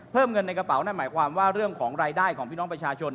เพิ่มเงินในกระเป๋านั่นหมายความว่าเรื่องของรายได้ของพี่น้องประชาชน